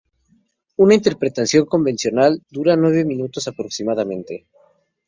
Una interpretación convencional dura nueve minutos aproximadamente.